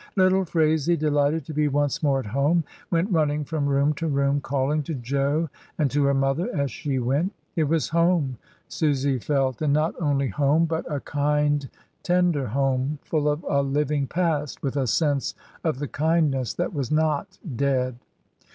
Little Phraisie, delighted to be once more at home, went running from room to room calling to Jo and to her mother as she went. It was home, Susy felt, and not only home but a AT THE TERMINUS. 269 kind tender home, full of a living past, with a sense of the kindness that was not dead.